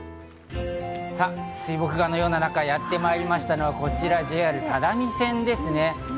さぁ、水墨画のような中、やって参りましたのはこちらＪＲ只見線ですね。